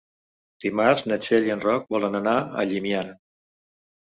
Dimarts na Txell i en Roc volen anar a Llimiana.